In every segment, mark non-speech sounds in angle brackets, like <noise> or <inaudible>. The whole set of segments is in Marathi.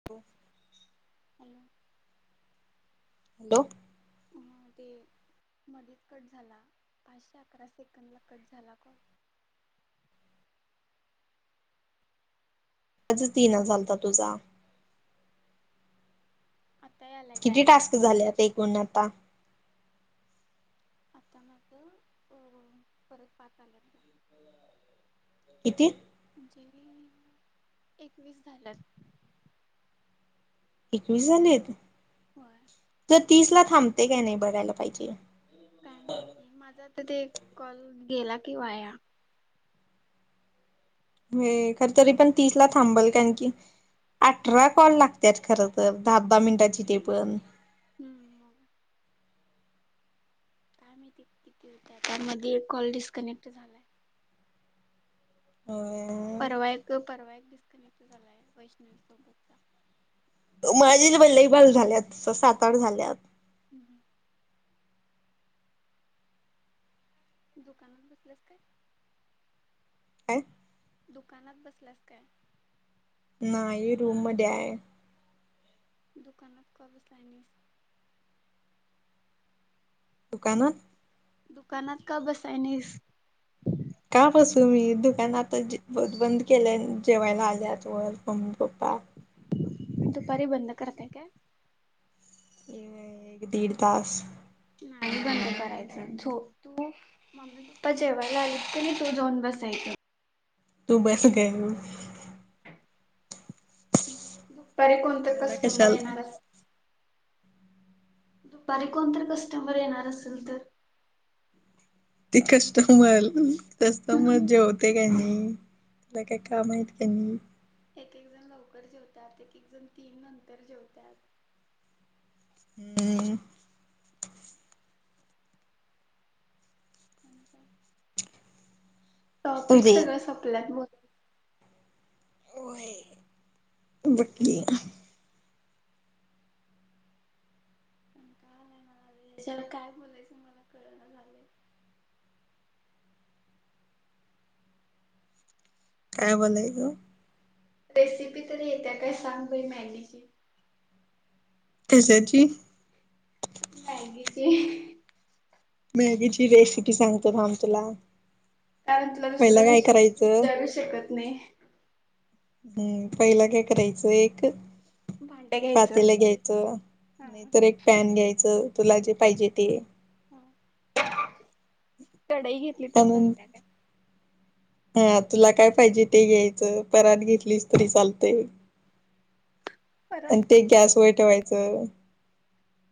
<inaudible> हॅलो हॅलो हम्म ते मध्येच कट झाला पाचशे अकरा सेकंदला कट झाला कॉल. चालता तुझा. आता यायलाय काय? झाल्यात एकूण आता. आता ना गं अ पररत पाका आल्यात. किती? म्हणजे एकवीस झाल्यात. एकवीस झालेत. होय. तर तीस ला थांबते का नाही बघयला पाहिजे. काय माहिती माझा आता ते कॉल गेला किं वाया. हे खरं तरी पण तीस ला थांबल कारण की अठरा कॉल लागतत खर तर दहा दहा मिनिटाची ते पण. हम्न. मी तिथ तिथे होत त्यामध्येध्ये कॉल डिस्कनेक्ट झालाय. हम्म परवा एक परवा एक डिस्कनेक्ट झालाय वैष्णवीसोबतचा. माझे इथं पण लय बल्लईबाल झाल्यात सात आठ झाल्यात. हम्म हम्म दुकानात बसल्यास काय <inaudible> दुकानात बसलास काय. नाही रूम मध्ये आहे. दुकानात का बसला नाही. दुकान दुकानात का बसाय नीस. का बसू मी दुकान आता ब बंद केलान जेवायला आल्यात. <unintelligible> Mummy papa. दुपारी बंद करते काय एक दीड तास. नाही बंद करायचं झोप तू मम्मी पप्पा जेवायला आलेत कि नाही तु जाऊन बसायचं. तू बस ग. बरे कोणतं मला कस्टमर कशाला येणार अस दुपारी कोण तर कस्टमर येणार असेल तर? ते कस्टमर कस्टमर जेवते का नाही. ला काय कामं आहेत कि नाही. एक एक जण लवकर जेवतात एक एक जण तीन नंतर जेवतात. हम्म आणि काय टॉपिक अरे सगळं सोपल्यात. होय बाकी कंटाळा आलाय मला यार काय बोलू. <unintelligible> काय बोलायलो रेसिपी तर येत्या काय सांग बई मॅगीची कशाची मॅगी चे मॅगीची रेसिपी सांगते थांब तुला टनथला दुसर पहिला काय विषय करायचं विचारू शकत नाही हम्म पहिला काय करायचं एक भांडं घ्यायचं. पातेला घ्यायचं हा तर एक पैन घ्यायचं तुला जे पाहिजे ते ह कढई घेत. पणून. हा तुला काय पाहिजे ते घ्यायचं परात घेतलीस तरी चालतय. आणि परात ते गॅसवर ठेवायचं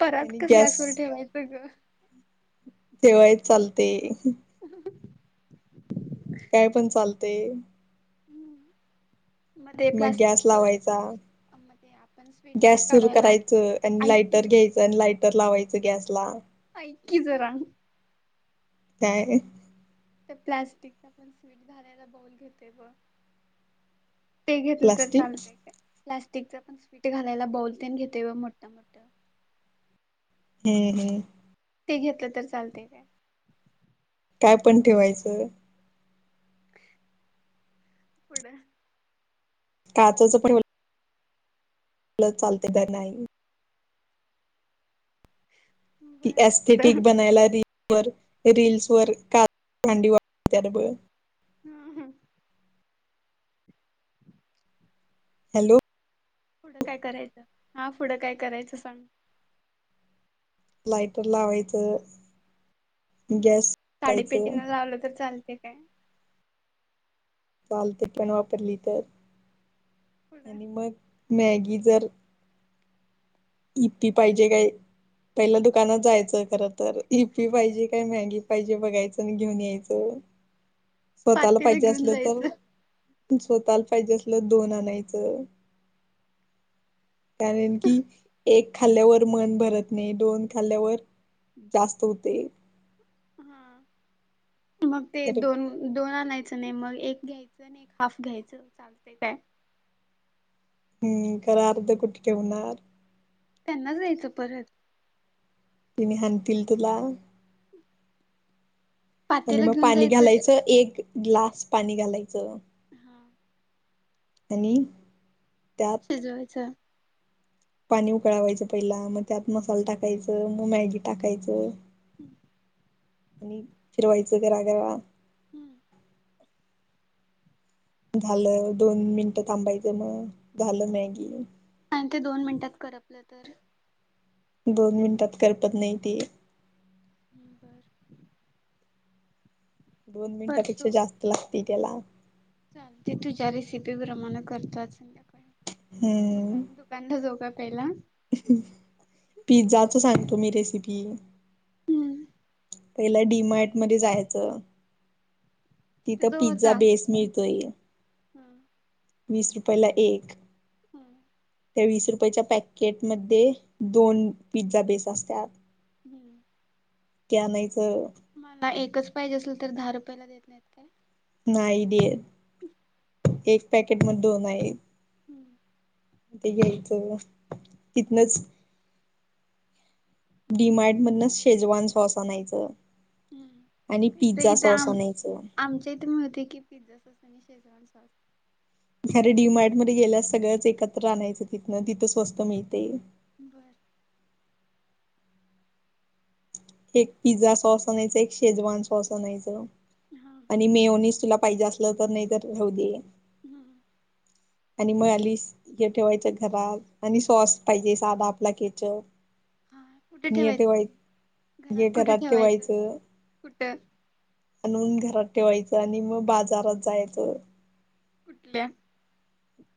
परात आणि कसं गॅस गॅसवर ठेवू यैते गं ग? तेव्हाय चालते. ह काय पण चालते. ते मग गॅस प्लास्टिकच लावायचा मग ते आपण स्वीट डिश गॅस सुरू काढायला करायचं आणि ऐक लाइटर की घ्यायचं तर लाईटर लावायचं गैसला ऐ ककी जरा काय? ते प्लास्टिकचा पण स्वीट घालायलाबौल घेते गं ते घेतलं तर प्लास्टिक चालतंय काय? प्लास्टिकचा पण स्वीट घालायला बाउल ते घेतेय मोठ्या मोठ्या. हम्म हम्म. ते घेतलं तर चालतंय काय? काय पण ठेवायचं. पुढं. काचेचं पण आपलं चालत काय नाही. ती बर पुढं एस्थेटिक बनायला रील व रिल्सवर का भांडी वापरत्यात बघ. हम्म हम्म. <inaudible> हॅलो पुढं काय करायचं? हा पुढं काय करायचं सांग? लाईटर लावायचं हम्म, गॅस काडी पेटीन वापरायचं लावलं तर चालते काय? चालते पण वापरली तर पुढं आणि मग मॅगी जर. यिप्पी पाहिजे काय? पहिला दुकानात जायचं खर तर, यूप्पी पाहिजे काय मॅगी पाहिजे बघायचं आणि घेऊन यायचं. पातेलं घेऊन जायचं. स्वतःला पाहिजे असेल तर दोन आणायचं. कारण की एक खाल्ल्यावर मन भरत नाही, दोन खाल्ल्यावर जास्त होते. हा मग ते तर दोन दोन आणायचं नाही, मग एक घ्यायचं आणि एक हाफ घ्यायचं चालते काय? हम्म खरं अर्ध कुठे ठेवणार? त्यांनाच यायचं परत. तिने हाणतील तिला. हो. आणि मग पाणी काय घालायचं एक. ग्लास पाणी घालायचं हा आणि त्या भिजवायच. पाणी उकळावायचं पहिला, मग त्यात मसाला टाकायचं मग मॅगी टाकायचं. ठीकये. आणि फिरवायचं गरागरा. हम्म. झालं दोन मिनटं थांबायचं मग झालं मॅगी. आणि ते दोन मिनिटात करपलं तर? दोन मिनिटात करपत नाही ते. बरं दोन मिनिटापेक्षा जास्त लागती, त्याला. चालतंय तुझ्या रेसिपी प्रमाणे करतो आज संध्याकाळी. दुका दुकानला जाऊ का पहिला? अहं, पिझ्झाचं सांग तुम्ही रेसिपी. हम्म पहिला डीमार्ट मध्ये जायचं, तिथं तुझा पिझ्झा होता बेस मिळतोय. हम्म वीस रुपयला एक. हा त्या वीस रुपयांच्या पॅकेटमध्ये, दोन पिझ्झा बेस असतात. हम्म. ते आणायचं. मला एकच पाहिजे असेल तर, दहा रुपयाला देत नाहीत काय. नाही देत. <unintelligible> एक पॅकेटमध्ये दोन आहेत. हम्म. ते घ्यायचं तिथनच डी मार्ट मधनं शेजवान सॉस आणायचं. आणि हंम इथ पिझ्झा इथ सॉस आम आणायचं. आम इथं मिळते की, पिझ्झा सॉस आणि शेजवान सॉस. अरे डी मार्ट मध्ये गेल्यास सगळंच एकत्र आणायचं तिथनं, तिथं स्वस्त मिळते. बरं. एक पिझ्झा सॉस आणायच, एक शेजवान सॉस आणायचं. हा. आणि मेयोनेझ तुला पाहिजे असलं तर, नाही तर राहूदे. हा हा. आणि म आलीस. हे ठेवायचं घरात आणि सॉस पाहिजे साधा आपला केचअप. हा कुठं ठेवायचं ते, घरात कुठं ठेवायचं, कुठं आणून घरात ठेवायचं, आणि मग बाजारात जायचं. कुठल्या.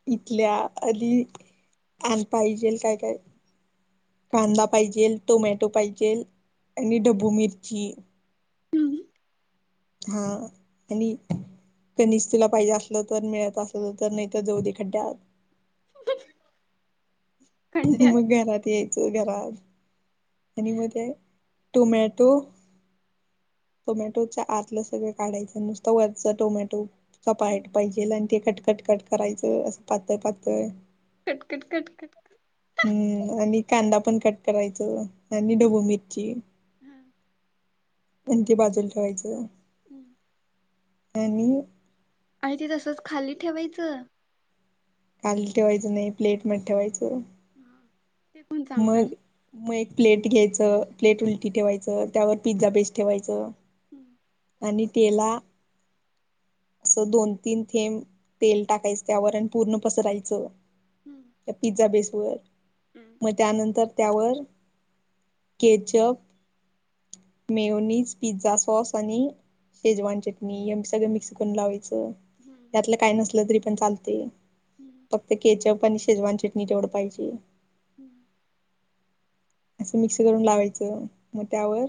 इथल्या आधी आण पाहिजेलं काय काय. कांदा पाहिजेलं, टोमॅटो पाहिजेलं आणि ढोबू मिरची. हा आणि कनिस तुला पाहिजे असलं तर, मिळत असलं तर, नाही तर जाऊ दे खड्ड्यात. <unintelligible> आणि खंड्यात मग घरात यायचं घरात. आणि म ते टोमॅटो टोमॅटोच्या आतलं सगळं काढायचं नुसतं वरचं टोमॅटो. चपाट पाहिजेलं आणि ते कट कट कट करायचं अस पातळ पातळ. Cut cut cut cut. हम्म आणि कांदा पण कट करायचं, आणि ढोबू मिरची. हा. कोणती बाजूला ठेवायचं. हम्म. आणि. काय ते तसचं खाली ठेवायचं. खाली ठेवायचं नाही, प्लेटमध्ये ठेवायचं. हा. मग म एक प्लेट घ्यायचं, प्लेट उलटी ठेवायचं, त्यावर पिझ्झा बेस ठेवायचं. हम्म. आणि तेला असं दोन तीन थेंब तेल टाकायचं त्यावर, आणि पूर्ण पसरायचं. हम्म. त्या, पिझ्झा बेसवर हम्म म त्यानंतर, त्यावर केचप मेयोनीज, पिझ्झा सॉस आणि शेजवान चटणी एव सगळ मिक्स लावायच, त्यातलं काय नसलं, तरी पण चालतेय फक्त केचप आणि शेजवान चटणी तेवढं पायजे <inaudible> असं, मिक्स करून लावायचं, म त्यावर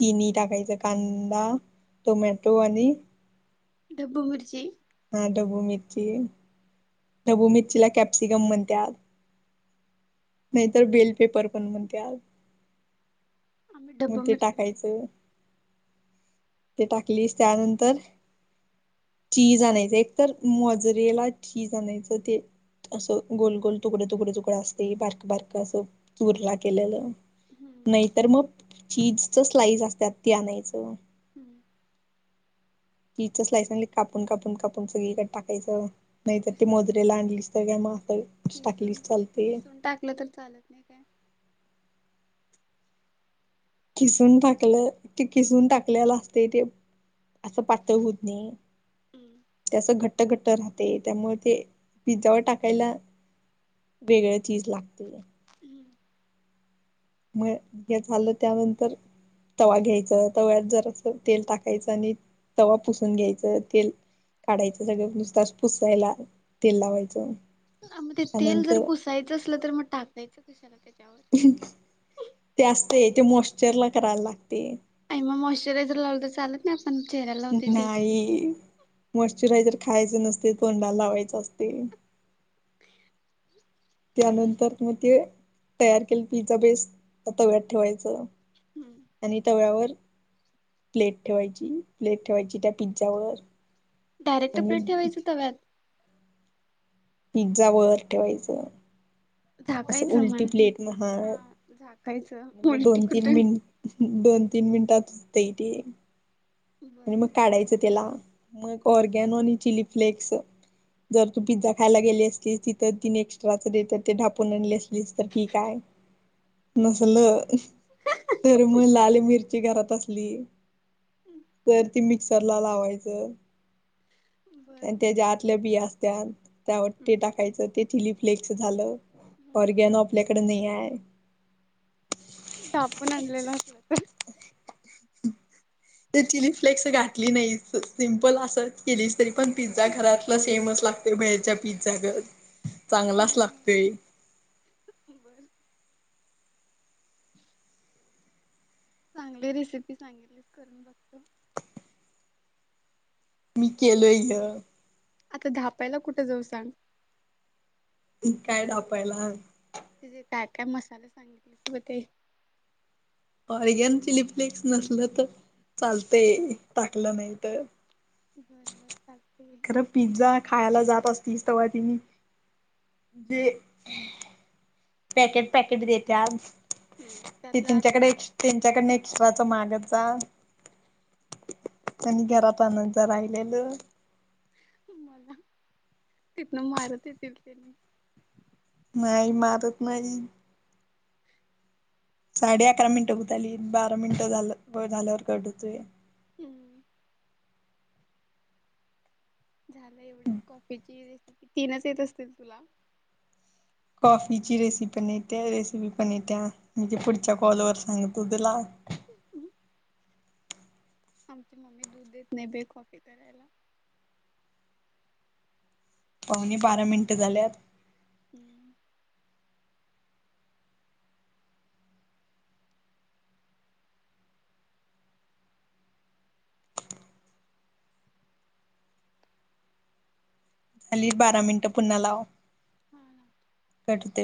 तिनी टाकायचं, कांदा, टोमॅटो आणि ढब्बू मिरची हा, ढब्बू मिरची, ढब्बू मिरचीला कॅप्सिकम म्हणत्यात नाहीतर, बेल पेपरपण म्हणत्यात आम्ही, डब्बा ते मिरची म्हणतेय टाकायचं ते टाकलीस, त्यानंतर चीज आणायच, एकतर मोजरेला ठीज आणायचं ते असं, गोल -गोल, तुकडं -तुकडं -तुकडं असते, बारकं -बारकं असं, चूरला केलेलं हम्म नाही तर, मग, चीजच स्लाईस असत्यात, ते आणायचं. हम्म चीजच स्लाईस आणली कापून -कापून- कापून सगळीकडं टाकायचं, नाही तर, ते मोजरेला आणलीस सगळे मावतल कीसून -किसून टाकलं तर चालल नाही काय? किसून टाकल, ते किसून टाकल्याल असतय ते असं, पातळ होत नाही हम्म ते असं, घट्ट -घट्ट राहतय, त्यामुळं ते पिझ्झावर टाकायला वेगळ चीज लागतया हम्म मग, हे झालं, त्यानंतर तवा घ्यायचं, तव्यात जरासं तेल टाकायचं आणि तवा पुसून घ्यायचं, तेल काढायचं सगळं, नुसतास पुसायला, तेल लावायचं. हा, म ते तेल जर त्यानंतर पुसायचं असलं, तर मग टाकायचं कशाला त्याच्यावर? ते असतंय, ते मॉशचरला कराय लागते आणि म मॉइस्चरायझर लावलं तर चालत नाही, आपण चेहऱ्याला लावते ते आई मॉश्चरायझर खायचं नसते, तोंडाला लावायच असते. <inaudible> त्यानंतर म ते, तयार केलं पिझ्झा बेस, तव्यात ठेवायचं. हम्म आणि, तव्यावर प्लेट ठेवायची, प्लेट ठेवायची त्या पिझ्झावर डायरेक्ट आणि प्लेट ठेवायची तव्यात? पिझ्झावर ठेवायचं असं, झाकायचं उलटी म्हण प्लेट, म हाय हा झाकायचं म, दोन उलटी -तीन कुठे मिनट, दोन -तीन मिनिटात फुगतय ते बर आणि मग काढायचं त्याला मग ऑरगॅनो आणि चिली फ्लेक्स जर तू पिझ्झा खायला गेली असती तिथं तीनं एक्स्ट्राचं देतात ते ढापून आणलेस लीस तर ठीक आहे नसलं तर म लाल मिरची घरात असली तर ती मिक्सरला लावायचं बर बर एन त्या ज्या आतल्या बिया असत्यात त्यावर ते टाकायचं ते चिली फ्लेक्स झालं. ओरिगॅनो आपल्याकडे नाही आहे. ढापून आणलेलं असलं तर ते चिली फ्लेक्स घातली नाही स सिम्पल असंच केलीस तरी पण पिझ्झा घरातलं सेमच लाग तर बाहेरचा पिझ्झा गं हा चांगलाच हा लागतेय. <unintelligible> चांगली रेसिपी सांगितलीस करून बघतो. मी केलेय ह्य. आता धापायला कुठं जाऊ सांग? काय ढापायला? ते जे काय काय मसाले सांगितलेस ब ते. ऑरिगन, चिली फ्लेक्स नसलं तर चालतय टाकलं नाही तर. बरं बरं टाकते. खरं पिझ्झा खायला जात असतीस तव्हा तिनी जे पॅकेट पॅकेट देत्यात हम्म ते त्यातला तुमच्याकडे अर्धात एक्स् त्यांच्याकडनं एक्स्ट्रा चा मागत जा त्यांनी घरात आणून त्या राहिलेलं. मला तिथनं मारत येतील तेनी. नाही मारत नाही. साडे अकरा मिनिटं होतं आलीत बारा मिनिट झालं होय झाल्यावर कट होतोय. हम्म. झालं एवढेच कॉफीची रेसिपी तीनच येत असतील तुला. कॉफीची रेसि पण येते रेसिपी पण येत्या मी जे पुढच्या कॉलवर सांगतो त्याला. आमची मम्मी दूध देत नाय बाई कॉफी करायला. पावणे बारा मिनटं झाल्यात. हम्म. हल्ली बारा मिनिटं पुन्हा लाव. हा. कटते